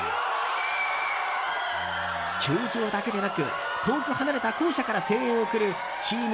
球場だけでなく遠く離れた校舎から声援を送るチーム